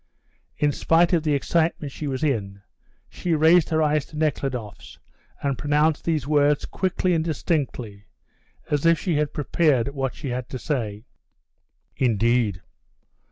In spite of the excitement she was in she raised her eyes to Nekhludoff's and pronounced these words quickly and distinctly, as if she had prepared what she had to say. "Indeed!"